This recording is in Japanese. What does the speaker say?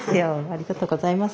ありがとうございます。